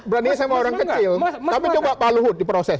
beraninya sama orang kecil tapi itu pak luhut di proses